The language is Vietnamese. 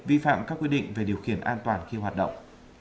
vi phạm các quy định về điều khiển an toàn khi hoạt động